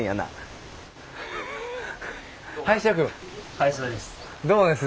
林田です。